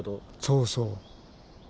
そうそう。